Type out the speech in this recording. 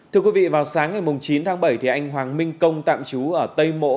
thưa quý vị vào sáng ngày chín tháng bảy anh hoàng minh công tạm trú ở tây mỗ